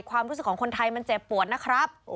ความรู้สึกของคนไทยมันเจ็บปวดนะครับ